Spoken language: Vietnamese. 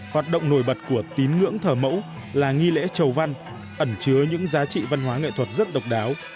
hoạt động nổi bật của tín ngưỡng thờ mẫu là nghi lễ chầu văn ẩn chứa những giá trị văn hóa nghệ thuật rất độc đáo